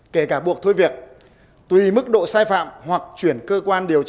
kể cả buộc thôi việc tùy mức độ sai phạm hoặc chuyển cơ quan điều tra